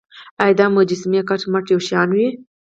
ایا دا مجسمې کټ مټ یو شان وې.